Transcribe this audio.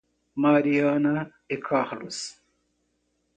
Mariana e Carlos